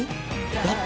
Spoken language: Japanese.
やった！